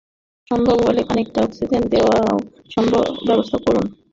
সম্ভব হলে খানিকটা অক্সিজেন দেবারও ব্যবস্থা করুন।